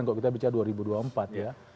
kalau kita bicara dua ribu dua puluh empat ya